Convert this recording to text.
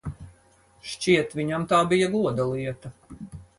Šķiet, viņam tā bija goda lieta.